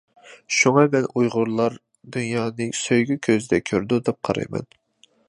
شۇڭا مەن ئۇيغۇرلار دۇنيانى سۆيگۈ كۆزىدە كۆرىدۇ، دەپ قارايمەن.